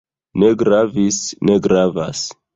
Ne gravis. Ne gravas.